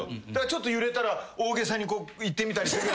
ちょっと揺れたら大げさにいってみたり。